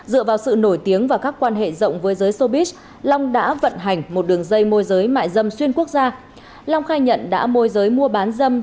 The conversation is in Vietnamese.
dựa vào sự nổi tiếng và các quan hệ rộng với giới showbiz long đã vận hành một đường dây môi giới mại râm